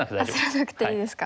焦らなくていいですか。